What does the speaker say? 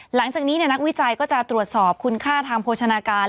หลังจากนี้นักวิจัยก็จะตรวจสอบคุณค่าทางโภชนาการ